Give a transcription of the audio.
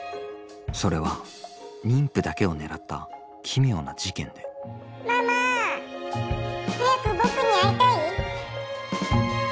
それは妊婦だけを狙った奇妙な事件で「ママ早く僕に会いたい？」。